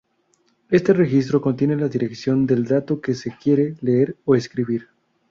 Este registro contiene la dirección del dato que se quiere leer o escribir.